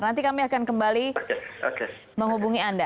nanti kami akan kembali menghubungi anda